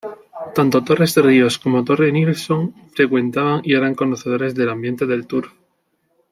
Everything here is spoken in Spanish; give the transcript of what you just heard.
Tanto Torres Ríos como Torre Nilsson frecuentaban y eran conocedores del ambiente del turf.